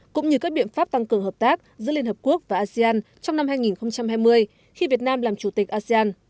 cũng như các biện pháp tăng cường hợp tác giữa liên hợp quốc và asean trong năm hai nghìn hai mươi khi việt nam làm chủ tịch asean